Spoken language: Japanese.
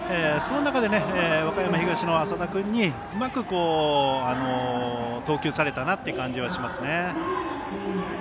その中で、和歌山東の麻田君にうまく投球されたなという感じはしますよね。